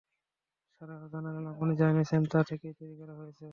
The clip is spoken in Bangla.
সারাহ জানালেন, আপনি যা এনেছেন তা থেকেই তৈরি করা হয়েছে।